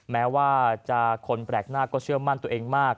แม้ว่าคนแปลกหน้าก็เชื่อมั่นตัวเองมาก